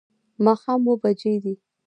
ماښام اووه بجې دي